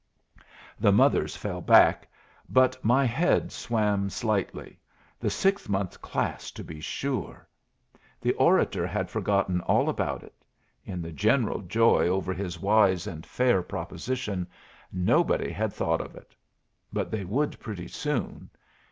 The mothers fell back. But my head swam slightly. The 6 month class, to be sure! The orator had forgotten all about it. In the general joy over his wise and fair proposition, nobody had thought of it. But they would pretty soon.